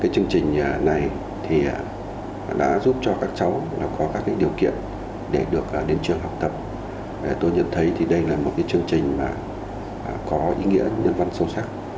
chương trình này đã giúp cho các cháu có các điều kiện để được đến trường học tập tôi nhận thấy đây là một chương trình có ý nghĩa nhân văn sâu sắc